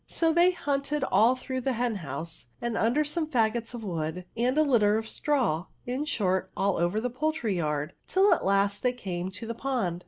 So they hunted all through the hen house, and under some faggots of wood, and a litter of straw, in short, all over the poidtryyard, till at last they came to the pond.